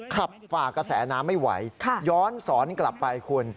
ขับฝากระแสน้าไม่ไหวค่ะย้อนศรกลับไปคุณ